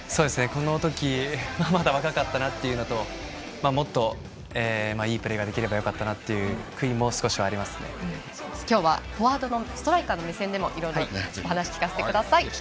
この時まだ若かったなというのともっといいプレーができればよかったなというふうに今日はフォワードのストライカーの目線でもいろいろ話、聞かせてください。